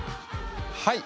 はい。